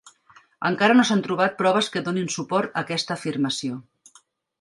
Encara no s'han trobat proves que donin suport a aquesta afirmació.